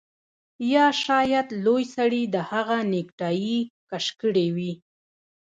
یا شاید لوی سړي د هغه نیکټايي کش کړې وي